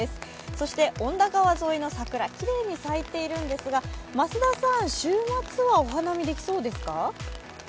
そして恩田川沿いの桜きれいに咲いているんですが増田さん、週末はお花見できそうですか？